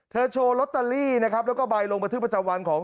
โชว์ลอตเตอรี่นะครับแล้วก็ใบลงบันทึกประจำวันของ